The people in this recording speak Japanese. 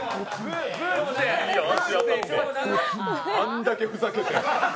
あんだけふざけて。